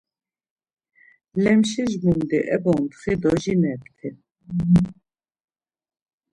Lemşis mundi ebontxi do jin epti.